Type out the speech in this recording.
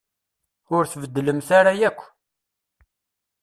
Ur tbeddlemt ara akk.